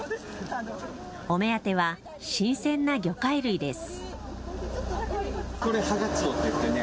お目当ては新鮮な魚介類です。